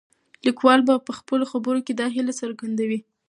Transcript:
لیکوال په خپلو خبرو کې دا هیله څرګندوي.